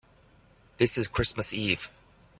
This is Christmas Eve.